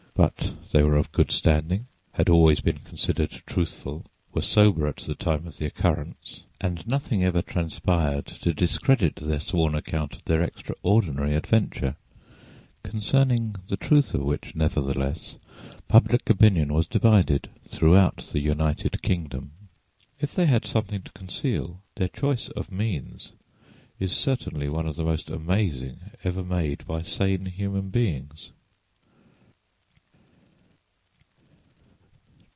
But they were of good standing, had always been considered truthful, were sober at the time of the occurrence, and nothing ever transpired to discredit their sworn account of their extraordinary adventure, concerning the truth of which, nevertheless, public opinion was divided, throughout the United Kingdom. If they had something to conceal, their choice of means is certainly one of the most amazing ever made by sane human beings.